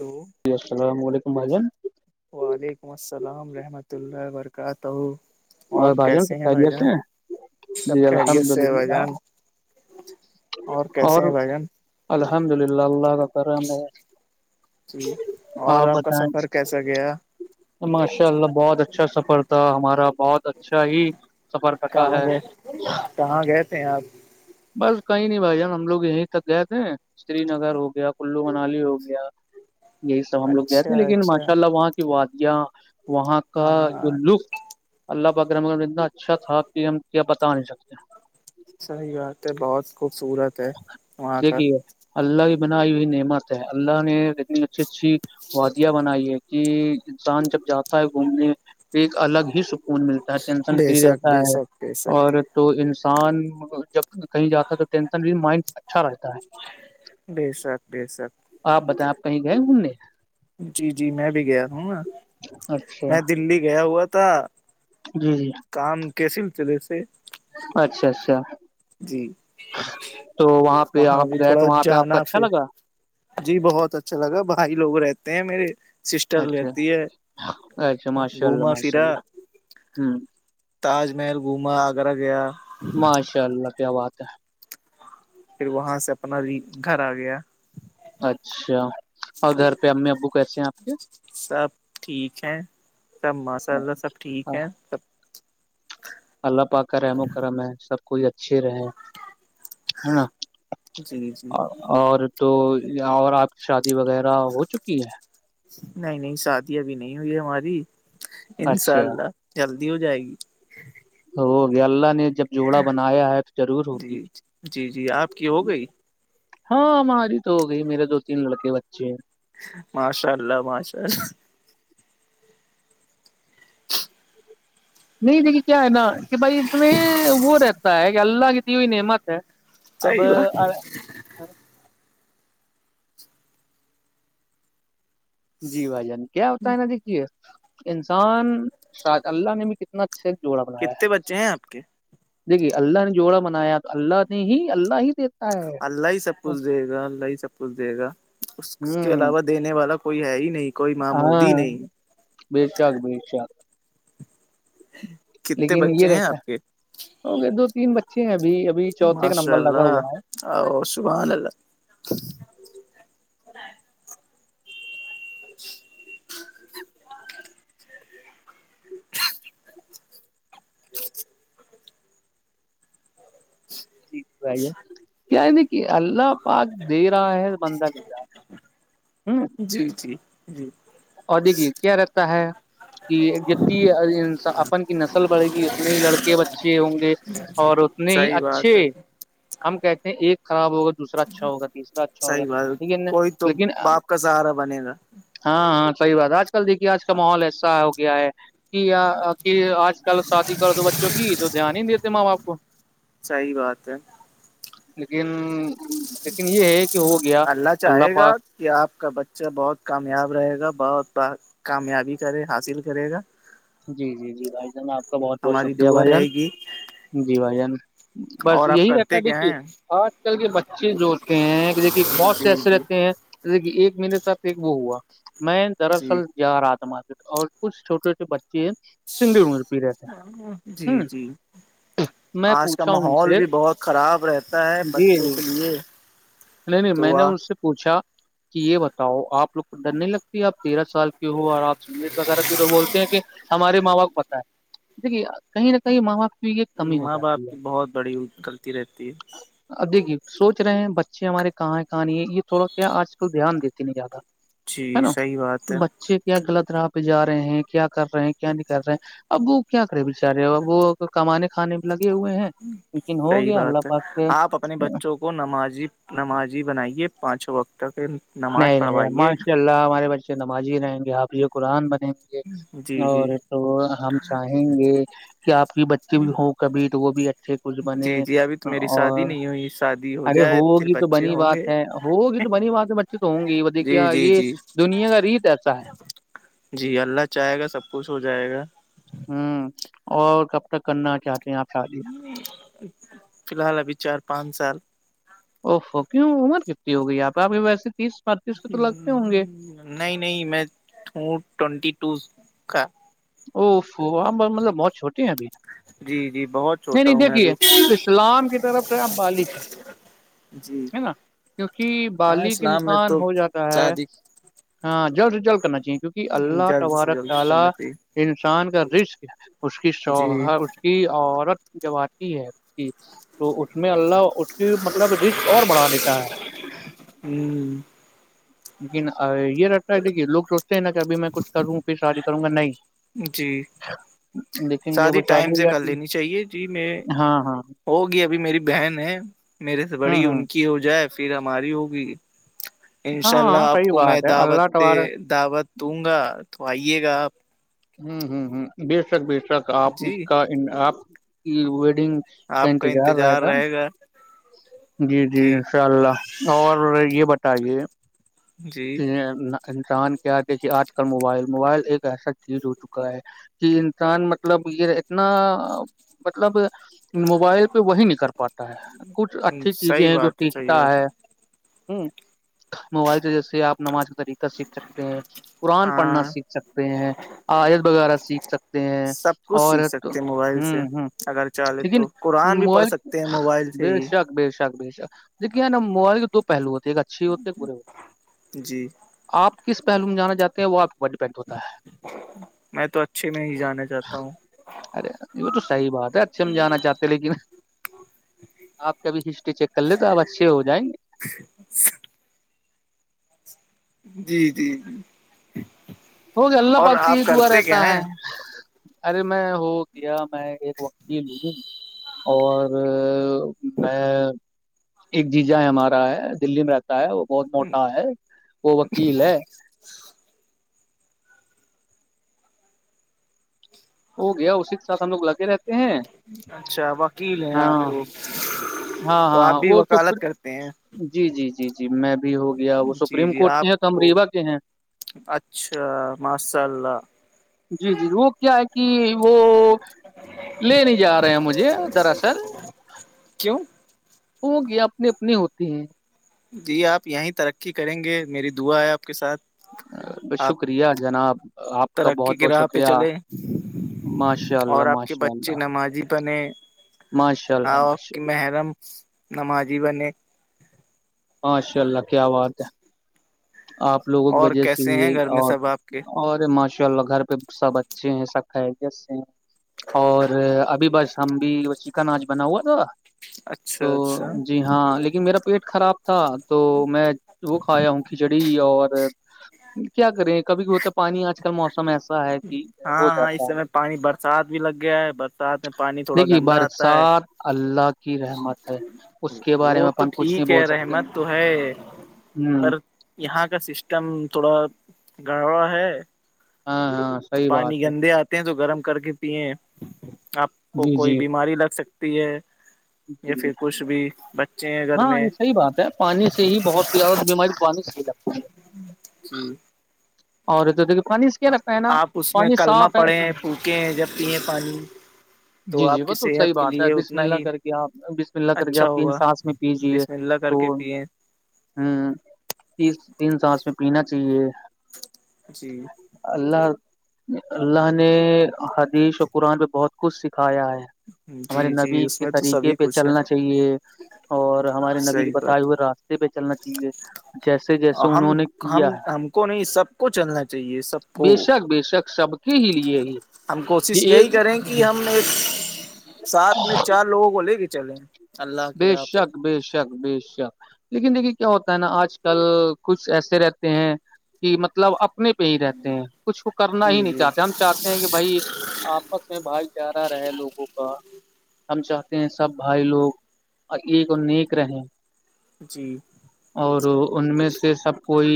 Hello جی السلام علیکم بھائی جان وعلیکم السلام ورحمۃ اللہ وبرکاتہ اور بھائی جان کیسے ہیں بھائی خیریت جان سے ہیں؟ سب جی خیریت الحمد سے ہے بائی للہ جان اور کیسے ہیں بھائی جان الحمد للہ اللہاکار جی اور آپ کا سفر بتائیں کیسا گیا ماشاء اللہ بہت اچھا سفر تھا ہمارا بہت اچھا ہی سفر کرتا کہاں ہے گئے کہاں گئے تھ ہیں آپ بس کہیں نہیں بھائی جان ہم لوگ یہیں تک گئے تھے سری نگر ہو گیا کلو منالی ہو گیا یہی سب ہم لوگ گئے تھے اچھا لیکن اچھا ماشاء اللہ وہاں کی وادیاں وہاں کا جو ہاں لطف اللہ بکر مکم اتنا اچھا تھا کہ ہم کیا بتا نہیں سکتے صح بات ہے بہت خوبصورت ہے وہاں کا دیکھیے اللہ کی بنائی ہوئی نعمت ہے اللہ نےنی اچھی اچھی وادیاں بنائی ہے کہ انسان جب جاتا ہے گھومنے ایک الگ ہی س فون ملتا ہے ٹینشن بے فری شک رہتا بے ہے شک بے شک اور تو انسان جب کہیں جاتا تو ٹینسن بھی مائنڈ اچھا رہتا ہے بیشک آپ بتائیں آپ کہیں گئے گھومنے جی جی میں بھی گیا ہوں نا اچھا میں دللی گیا ہوا تھا جی جی کام کیسے چلے تھے اچھا اچھا تو وہاں پہ آپ بھی گئے تو تھوڑا وہاں پہ آپ کو جانا اچھا پھر لگا جی بہت اچھا لگا بھائی لوگ رہتے ہیں میرے سسٹر اچھا لیتی ہے اچھا ماشاء اللہ گھوما ماشاء پھرا اللہ ہ تاج محل گھوما آگرہ گیا ماشاء اللہ کیا بات ہے پھر وہاں سے اپنا گھر آ گیا اچھا اور گھر پہ امی ابو کیسے ہیں آپ کے سب ٹھیک ہے سب ماشاء اللہ سب ٹھیک ہے سب اللہ پاک کر رحم و کرم ہے سب کوئی اچھے رہے ہےا جی جی اور تو اور آپ کی شادی وغیرہ ہو چکی ہے نہیں نہیں شادی ابھی نہیں ہوئی ہماری انشاء اچھا اللہ جلدی ہو جائے گی ہو گیا اللہ نے جب جوڑا بنایا ہے تو ضرور ہوگی جی جی جی آپ کی ہو گئی ہاں ہماری تو ہو گئی میرے دو تین لڑکے بچے ہیں ماشاء اللہ ماشاء اللہ نہیں دیکھی کیا ہے نا کہ بھائی اس میں وہ رہتا ہے کہ اللہ کی ت ہوئی نعمت اب صحیح بات جی بھائی جان کیا ہوتا ہے نا دیکھیے انسان شا اللہ نے بھی ک اتنا اچھا سے جوڑا بنایا کتنے ہے بچے ہیں آپ کے دیکھیے اللہ نے جوڑا بنایا تو اللہ نے ہی اللہ ہی دیتا ہے اللہ ہی سب کچھ دے گا اللہ ہی سب کچھ دے گا اس کے ہ علاوہ دینے والا کوئی ہے ہی نہیں کوئی معمود ہی ہاں نہیں بے شاک بیے شاک ہاں لیکن یہ رہتا ہے ہو گیا دو تین بچے ہیں ابھی ابھی چوتھے کا نمبر لگا ہوا ہے ا سحانلہ اچ جی ٹھیک بھائی کیا ہے دیک کہ اللہ پاک دے رہا ہے بندہ لے جا رہا ہوں جی جی جی اور دھیی کیا رہتا ہے کہ جتنی اپن کی نسل بڑھے گی اتنے ہی لڑکے بچے ہوں گے اور اتنے ہی صحیح بات اچھے ہے ہم کہتے ہیں ایک خراب ہو گئے دوسرا اچھا ہوگا تیسرا اچھا ہوگا صحیح بات ٹھیک ہے کوئی تو لیکن باپ کا سہارا بنے گا ہاں ہاں صحی بات ہے آج کل دیکھیے آج کا ماحول ایسا ہو گیا ہے کہ کہ آج کل شادی کر دو بچوں کی تو دھیان ہی دیتے ماں باپ کو صحی بات ہے لیکن لیکن یہ ہے کہ ہو گیا اللہ چاہے پا گا کہ آپ کا بچہ بہت کامیاب رہے گا بہت کامیابی کرے حاصل کرے گا جی جی جی بھائی جان آپ کا بہت بہت ہماری شکریہ دعا بھائی رہے جان گی جی بھائی جان بس اور آپ یہی رہتا کرتے ہے کیا دیکھیے ہیں آج کل کے بچے جو ہوتے ہیں کہ دیکھیے بہت سے جی ایسے جی رہتے ہیں دیکھیے ایک میرے ساتھ ایک وہ ہوا میں جی دراصل اں رات مار اور کچھ چھوٹے چھٹے بچے ہیں سنگر پیرے جی جی میں آج کا پوچھا ان ماحول سے بھی بہت خراب رہتا ہے جی جی بچوں کے لیے نہیں نہیں تو میں نے ان سے پوچھا کہ یہ بتاؤ آپ لوگ کو ڈر نہیں لگتی آپ تیرہ سال کی ہو اور آپ سٹ وغیرہ کی بولتے ہیں کہ ہمارے ماں با کو پت ہے دیکھیے کہیں نہ کہیں ماں باپی کی کمی ہو ماں باپ جاتی کی ہے بہت بڑی غلطی رہتی ہے اب دیکھیے سوچ رہے ہیں بچے ہمارے کہاں ہیں کہاں نہیں ہے یہ تھوڑا کیا آج کل دھیان دیتے ن زیادہ ہے جی نا صحیح بات ہے بچے کیا غلط راہ پہ جا رہے ہیں کیا کر رہے ہیں کیا نہیں کر رہے ہیں اب وہ کیا کرے بچارے وہ کمانے کھانے بھی لگے ہوئے ہیں لیکن ہو گیا اللہ باک کے وہ نمازی نمازی بنائیے پانچوں وقتک نہیں نہیں ماشاء اللہ ہمارے بچے نماز ہی رہیں گے حاف ہی قرآن بنیں گے جی اور جی تو ہم چاہیں گے کہ آپ کی بچے بھی ہو کبھی تو وہ بھی ا سے کچھ بنے جی جی ابھی تو میری شادی اور نہیں ہوئی شادی ہو ارے جائے پھر ہوگی تو بچے بنی ہوں گے بات ہے ہوگی تو بنی بات ہے بچے تو ہوں گی وہ دیکھیے جی جی یہ جی دنیا کا ریت ایسا ہے جی اللہ چاہے گا سب کچھ ہو جائے گا ہوں اور کب تک کرنا چاہتے ہیں آپ شادی فی الحال ابھی چار پانچ سال اوفو کیوں عمر کتنی ہوگئی آپ آپ ویسے تیس پتیس کے تو لگتے ہوں گے نہیں نہیں میں ہوں ٹوونٹی ٹو کا ا مطلب بہت چھوٹی ہیں ابھی جی جی بہت نہیں چھوٹا نہیں ہوں میں دیکھیے ابھی اسلام کی طرف ہے بالک ہے جی ہے نا کیونکہ ہاں بالغ اسلام میں انسان تو ہو جاتا ہے شادی ہاں جلد سے جلد کرنا چاہیے کیونکہ اللہ جلد سے تبارک جلد تعالی کرنی چاہیے انسان کا رسک اس کی جی سوا کی عورت جب آتی ہے اس کی تو اس میں اللہ اس کی مطلب رسک اور بڑھا دیتا ہے ہوں لیکن یہ رہتا ہے دیکھیے لوگ سوچتے ہیں نا کہ ابھی میں کچھ کروں پھر شادی کروں گا نہیں جی لیکن سات جب ہی شادی ٹائم ہو سے کر جاتی لینی چاہیے جی میں ہاں ہاں ہوگی ابھی میری بہن ہے میرے سے ہوں بڑی ہوں ان کی ہو جائے پھر ہماری ہوگی ان ہاں شاء اللہ ہاں آپ صحیح کو میں بات ہے اللہ دعوت تبارک دعوت دوں گا تو آئیے گا آپ ہ ہ ہ بے شک بے شک آپ جی کا آپ کی ویڈنگ آپ کنٹ کا ار انتظار آتاا رہے گا جی جی انشاء اللہ اور یہ بتائیے جی کہ انسان کیا دیکھیے آج کل موبائل موبائل ایک ایسا چیز ہو چکا ہے کہ انسان مطلب یہ اتنا مطلب موبائل پہ وہی نکل پاتا ہے کچھ اچھی چیزیں صحیح ہیں جو بات ہے صحیح سیکھتا بات ہے ہ موبائل سے جیسے آپ نماز کا طریقہ سیکھ سکتے ہیں قرآن پڑھنا ہاں سیکھ سکتے ہیں آیت وغیرہ سیکھ سکتے ہیں سب کچھ سیکھ اور تو سکتے ہیں موبائل ہ سے ہ اگر چاہے لیکن تو قرآن بھی پڑھ موبائل سکتے ہیں موبائل سے بے ہی شک بے شک بے شاک دیکے ن موائل دو پہلو ہوتے ہیں ایک اچھی ہوتی ہے برے ہوتے جی آپ کس پہلو میں جانا چاہ ہیں وہ آپ ڈیپینڈ ہوتا ہے میں تو اچھے میں ہی جانا چاہتا ہوں ارے یہ تو صحیح بات ہے اچھے ہم جانا چاہتے لیکن آپ کبھی ہسٹری چیک کر ل توپ اچھے ہو جائیں گے جی جی جی ہو گیا اللہ اور پالسی ہی آپ دا کرتے رہتا کیا ہے ہیں ارے میں ہو گیا میں ایک وقی لوں اور میں ایک جی جا ہے ہمارا ہے دلی میں رہتا ہے ہے وہ بہت موٹا ہے وہ وکیل ہے ہو گیا اسی کے ساتھ ہم لوگ لگے رہتے ہیں اچھا وکیل ہیں ہاں وہ ہاں تو آپ ہاں بھی وہ سپ وکالت کرتے ہیں جی جی جی جی میں بھی ہو گیا وہ جی سپریم جی کورٹ کے آپ ہیں کو تومریوا کے ہیں اچھا ماشاء اللہ جی جی وہ کیا ہے کہ وہ لے نہیں جا رہے ہیں مجھے دراصل کیوں ہو گیا اپنے اپنے ہوتے ہیں جی آپ یہیں ترقی کریں گے میری دعا ہے آپ کے ساتھ بس آپ شکریہ جناب آپ کا ترقی بہت کی بہت راہ پہ شکریہ چلے ماشاء اللہ اور آپ کے ماشاء بچے اللہ نمازی بنے ماشاء اللہ آپ ماشاء کی محرم نم آ جیبنے مشاء اللہ کیا بات ہے آپ لوگوں کی اور وجہ سے کیسے ہیں ہی گھر میں سب آپ کے اور ماشاء اللہ گھر پہ سب اچھے ہیں سب خیریت سے ہیں اور ابھی بس ہم بھی وہ چکن آج بنا ہوا تھا اچھا تو اچھا جی ہاں لیکن میرا پیٹ خراب تھا تو میں وہ کھایا ہوں کھچڑی اور کیا کریں کبھی ہوتا پانی آج کل موسم ہےسا ہاں ہاں اس سمے پانی برسات بھی لگ گیا ہے برسات میں پانی تھوڑا دیکھیے گندا آتا ہے برسات اللہ کی رحمت ہے اس کے بارے میں وہ تو اپن کچھ نہیں ٹھیک ہے بول رہے سکتے ہیں احمت تو ہے ہوں پر یہاں کا سسٹم تھوڑا گڑڑا ہے ہاں ہاں تو صحیح پانی بات ہے گندے آتے ہیں تو گرم کر کے پیئے آپ کو جی کوئی جی بیماری لگ سک ہے جی یا جی پھر کچھ بھی بچ ہاں یہ صحی بات ہے پانی سے ہی بہت زیادہ بیماری پانی سے ہی لگتی ہے جی اور ا توھر دیکھیے پانی سے کیا رگتا ہے نا پانی صاف ہے ک ہیں جب پیے پانی جی جی آپ وہ کی تو صحی صحت کے بات ہے لیے بس اتنا ملنا ہی کر کے آپ بس ملنا کر کے اچھا آپ تین ہوگا سانس میں کیجیے بسم اللہ کر تو کے پیے ہ تیس تین ساس میں پینا چاہیے جی اللہ اللہ نے حدیث اور قرآن پہ بہت کچھ سکھایا ہے ہمارے جی جی نبی اس کے میں تو طریقے سبھی پہ کچھ ہے چلنا چاہیے اور ہمارے نبی کے صحیح بتائے بات ہوئے راستے پہ چلنا چاہیے جیسے جیسے ہم انہوں نے کیا ہم ہے ہم کو نہیں سب کو چلنا چاہیے سب کو بے شک ب شک شبد کی ہی لیے ہے ہم کوشش یہی کریں کہ ہم ایک سات میں چار لوگوں کو لے کے چلیں اللہ کی بے راہ پہ شک بے شک بے شک لیکن دیکھیے کیا ہوتا ہے نا آج کل کچھ ایسے رہتے ہیں کہ مطلب اپنے پہ ہی رہتے ہیں کچھ وہ کرنا ہی جی نہیں جی چاہتے ہم چاہتے ہیں کہ بھائی آپس میں بھائی چارہ رہے لوگوں کا ہم چاہتے ہیں سب بھائی لوگ اور ایک اور نیک رہیں جی اور ان میں سے سب کوئی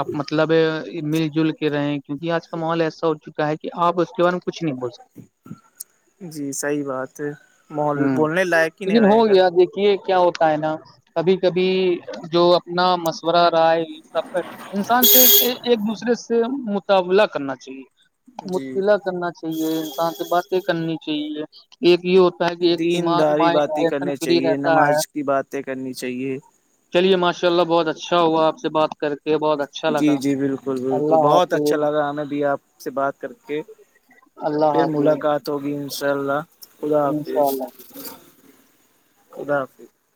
اب مطلب ہے مل جل کے رہے کیونکہ آج کا ماحول ایسا ہو چکا ہے کہ آپ اس کے بارے میں کچھ نہیں بول سکتے جی صحیح بات ہے محول بولنے لائق ہی نہیں رہے گا یہ کیا ہوتا ہے نا کبھی کبھی جو اپنا مشورہ رہا ہے یہ سب انسان سے ایک دوسرے سے مطابلہ کرنا چاہیے جی مطتلاع کرنا چاہیے انسان سے باتیں کرنی چاہیے ایک یہ ہوتا پہلی ایک دماغ دینداری مائنڈ باتیں ینسن کرنی فری چاہیے رہتا ہے نماز کی باتیں کرنی چاہیے چلیے ماشء اللہ بہ اچا اچھا ہوا آپ سے بات کر کے بہت اچھا لگا جی جی بالکل بالکل اللہ بہت حافظ اچھا لگا ہمیں بھی آپ سے بات کر کے اللہ پھر حافظ ملاقات ہوگی ان شاء اللہ خدا انشاء حافظ اللہ خدا حافظ